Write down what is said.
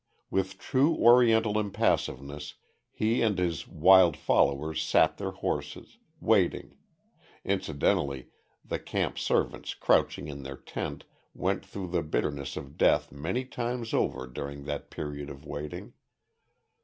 With true Oriental impassiveness he and his wild followers sat their horses, waiting incidentally the camp servants crouching in their tent, went through the bitterness of death many times over during that period of waiting.